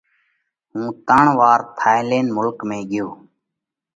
ھُون ترڻ وار ٿائِيلينڍ ملڪ ۾ ڳيوه۔